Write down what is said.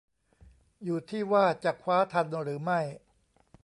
อยู่ที่ว่าจะคว้าทันหรือไม่